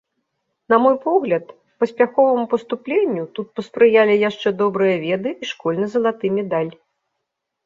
На мой погляд, паспяховаму паступленню тут паспрыялі яшчэ добрыя веды і школьны залаты медаль.